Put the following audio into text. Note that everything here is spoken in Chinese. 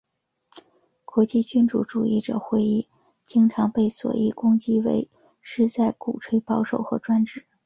国际君主主义者会议经常被左翼攻击为是在鼓吹保守和专制。